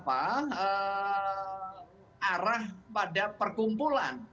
arah pada perkumpulan